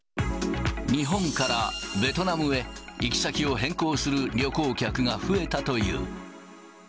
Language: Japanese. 日本からベトナムへ、行き先を変更する旅行客が増えたという。